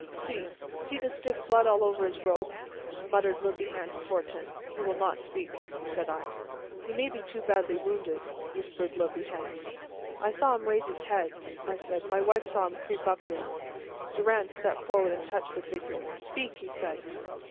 "See see the stiff blood all over his robe," muttered Le Bihan to Fortin. "He will not speak," said I. "He may be too badly wounded," whispered Le Bihan. "I saw him raise his head," I said, "my wife saw him creep up here." Durand stepped forward and touched the figure. "Speak!" he said.